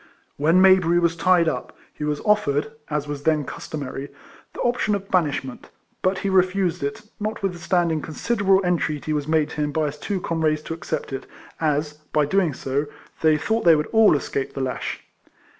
When Mayberry was tied up, he was offered, as was then customary, the option of banishment; but he refused it, notwith standing considerable entreaty was made to him by his two comrades to accept it, as, by so doing, they thought they all would escape the lash.